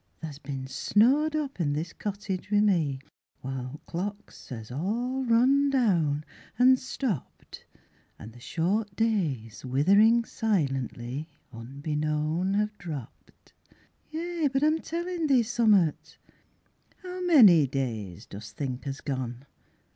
Tha's bin snowed up i' this cottage wi' me While th' clocks has a' run down an' stopped An' the short days withering silently Unbeknown have dropped. Yea, but I'm tellin' thee summat. How many days dost think has gone?